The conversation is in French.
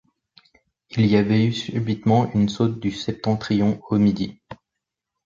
Il y avait eu subitement une saute du septentrion au midi.